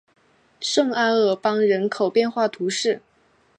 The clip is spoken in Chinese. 圣阿尔邦人口变化图示